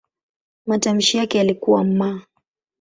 Matamshi yake yalikuwa "m".